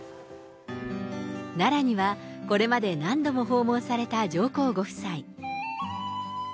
奈良にはこれまで何度も訪問された上皇ご夫妻。